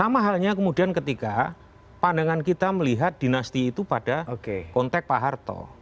sama halnya kemudian ketika pandangan kita melihat dinasti itu pada konteks pak harto